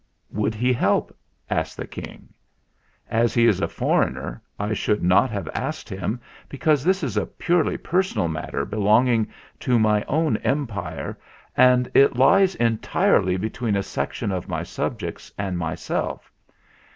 "Would he help?" asked the King. "As he is a foreigner, I should not have asked him, because this is a purely personal matter be longing to my own Empire, and it lies entirely 196 THE FLINT HEART between a section of my subjects and myself.